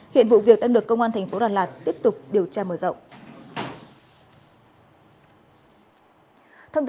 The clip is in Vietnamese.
hiện vụ việc đang được công an thành phố đà lạt tiếp tục điều tra mở rộng